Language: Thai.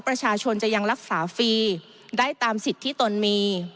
ประชาชนจะยังรักษาฟรีได้ตามสิทธิ์ที่ตนมี